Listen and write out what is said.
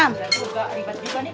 misalnya juga ribet juga nih